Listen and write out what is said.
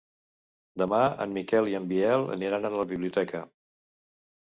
Demà en Miquel i en Biel aniran a la biblioteca.